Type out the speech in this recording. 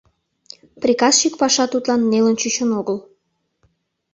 Приказчик паша тудлан нелын чучын огыл.